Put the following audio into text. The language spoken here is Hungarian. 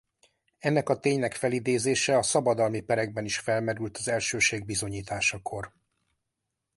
Ennek a ténynek felidézése a szabadalmi perekben is felmerült az elsőség bizonyításakor.